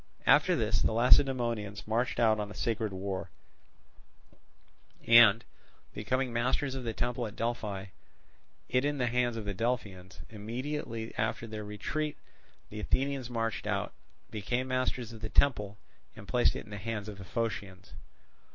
After this the Lacedaemonians marched out on a sacred war, and, becoming masters of the temple at Delphi, it in the hands of the Delphians. Immediately after their retreat, the Athenians marched out, became masters of the temple, and placed it in the hands of the Phocians.